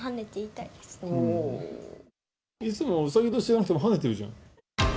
いつも、うさぎ年じゃなくても跳ねてるじゃん。